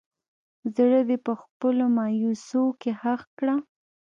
زړه دې په خپلو مايوسو کښې ښخ کړه